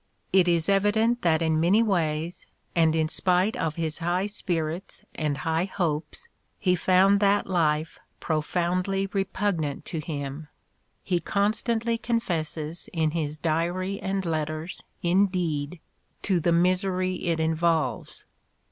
It is evident that in many ways, and in spite of his high spirits and high hopes, he found that life profoundly repugnant to him: he constantly con fesses in his diary and letters, indeed, to the misery it involves.